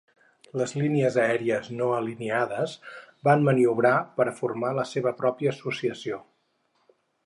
Línies aèries no alineades van maniobrar per a formar la seva pròpia associació.